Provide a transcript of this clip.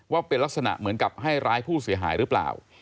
ว่าเป็นลักษณะเหมือนกับให้ร้ายผู้เสียหายหรือเปล่า